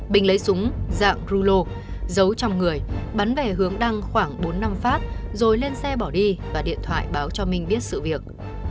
bình lấy súng dạng rulo giấu trong người bắn về hướng đăng khoảng bốn năm phát rồi lên xe bỏ đi và điện thoại báo cho minh biết sự việc